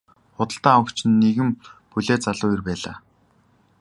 Худалдан авагч нь нэгэн булиа залуу эр байлаа.